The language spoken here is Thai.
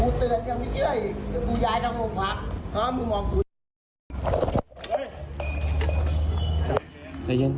กูเตือนยังไม่เชื่ออีก